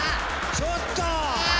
ちょっと。